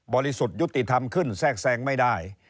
สุทธิ์ยุติธรรมขึ้นแทรกแทรงไม่ได้